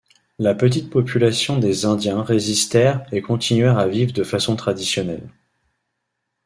La petite population des Indiens résistèrent et continuèrent à vivre de façon traditionnelle.